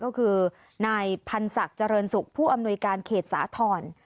ก็คือนายพันศักดิ์เจริญสุขผู้อำนวยการเขตสาธรณ์